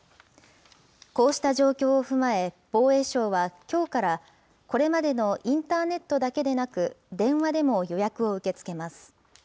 こうした状況を踏まえ、防衛省はきょうから、これまでのインターネットだけでなく、電話でも予約を受け付けます。